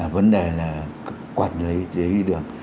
vấn đề là quản lý giấy đi đường